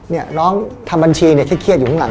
น้องทำบัญชีนี่คิดอยู่ข้างหลัง